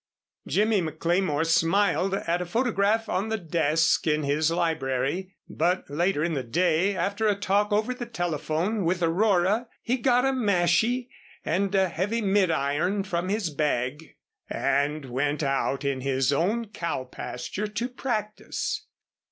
Jimmy McLemore smiled at a photograph on the desk in his library, but later in the day after a talk over the telephone with Aurora he got a mashie, and a heavy mid iron from his bag and went out in his own cow pasture to practice.